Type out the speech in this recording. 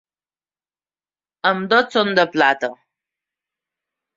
Ambdós són de plata.